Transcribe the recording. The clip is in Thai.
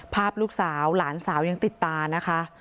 ภาพลูกสาวหลานสาวยังติดตานะคะ